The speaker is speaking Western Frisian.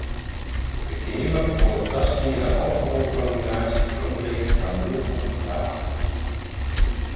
De Keamer wol it tastiene alkoholpromillaazje werombringe ta nul komma twa.